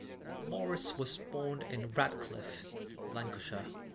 Morris was born in Radcliffe, Lancashire.